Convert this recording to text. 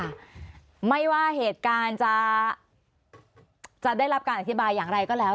ค่ะไม่ว่าเหตุการณ์จะจะได้รับการอธิบายอย่างไรก็แล้ว